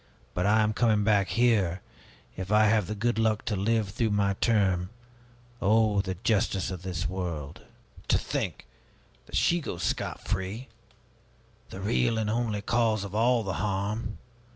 But I am coming back here, if I have the good luck to live through my term. Oh, the justice of this world! To think that she goes scot free, the real and only cause of all the harm!